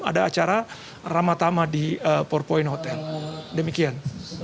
ada acara ramadhan di powerpoint hotel demikian